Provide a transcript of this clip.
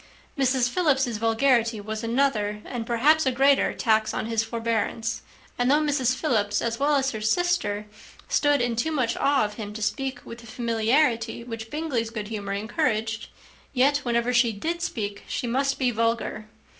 Mrs. Philips's vulgarity was another, and, perhaps, a greater tax on his forbearance; and though Mrs. Philips, as well as her sister, stood in too much awe of him to speak with the familiarity which Bingley's good humour encouraged; yet, whenever she did speak, she must be vulgar.